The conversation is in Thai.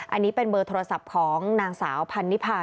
อันนี้เป็นเบอร์โทรศัพท์ของนางสาวพันนิพา